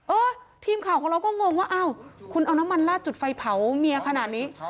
เออทีมข่าวของเราก็งงว่าอ้าวคุณเอาน้ำมันลาดจุดไฟเผาเมียขนาดนี้